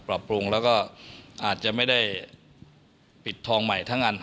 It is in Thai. ปรับปรุงแล้วก็อาจจะไม่ได้ปิดทองใหม่ทั้งอัน